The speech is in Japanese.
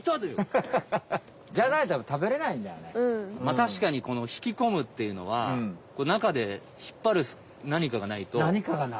たしかにこの引き込むっていうのは中で引っぱる何かがないと。